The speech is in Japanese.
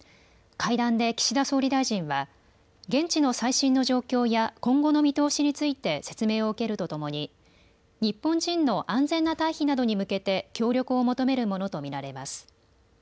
会談で岸田総理大臣は現地の最新の状況や今後の見通しについて説明を受けるとともに日本人の安全な退避などに向けて協力を求めるものと見られます。